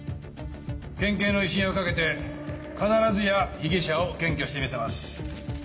県警の威信をかけて必ずや被疑者を検挙してみせます。